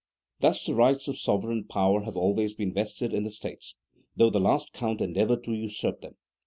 Thus the rights of sovereign power have always been vested in the States, though the last count endeavoured to usurp them.